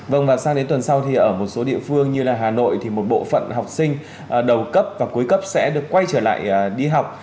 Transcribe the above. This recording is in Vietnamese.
vâng và sang đến tuần sau thì ở một số địa phương như là hà nội thì một bộ phận học sinh đầu cấp và cuối cấp sẽ được quay trở lại đi học